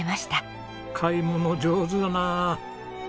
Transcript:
買い物上手だな！